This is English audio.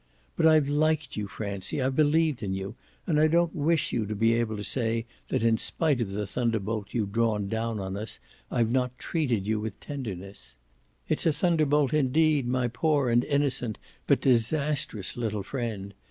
But I've liked you, Francie, I've believed in you, and I don't wish you to be able to say that in spite of the thunderbolt you've drawn down on us I've not treated you with tenderness. It's a thunderbolt indeed, my poor and innocent but disastrous little friend!